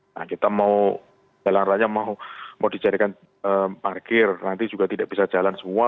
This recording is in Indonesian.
nah kita mau jalan raya mau dijadikan parkir nanti juga tidak bisa jalan semua